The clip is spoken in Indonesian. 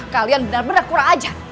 kalian benar benar kurang aja